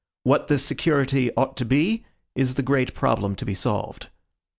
What this security ought to be, is the great problem to be solved.